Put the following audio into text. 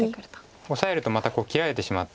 オサえるとまた切られてしまって。